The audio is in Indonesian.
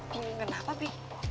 bunga kenapa bi